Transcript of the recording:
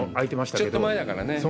ちょっと前だからね。